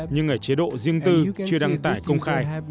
nhưng ở chế độ riêng tư chưa đăng tải công khai